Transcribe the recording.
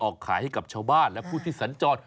ขายให้กับชาวบ้านและผู้ที่สัญจร